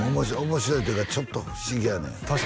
面白いというかちょっと不思議やねん